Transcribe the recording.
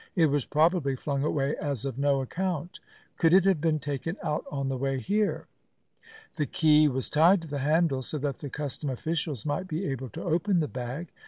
It was probably flung away as of no account." "Could it have been taken out on the way here?" "The key was tied to the handle so that the custom officials might be able to open the bag.